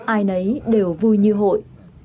ai nấy đều vui như hội